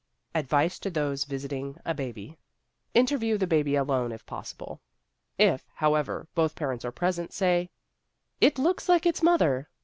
ADVICE TO THOSE VISITING A BABY Interview the baby alone if possible. If, however, both parents are present, say, "It looks like its mother."